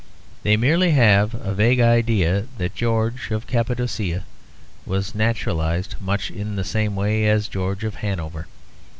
They merely have a vague idea that George of Cappadocia was naturalised much in the same way as George of Hanover.